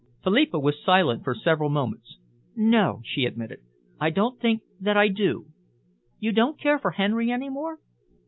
Philippa was silent for several moments. "No," she admitted, "I don't think that I do." "You don't care for Henry any more?"